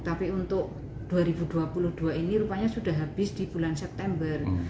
tapi untuk dua ribu dua puluh dua ini rupanya sudah habis di bulan september